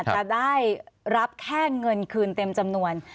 จะได้รับแค่เงินคืนเต็มจำนวน